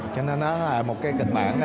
cho nên nó là một cái kịch bản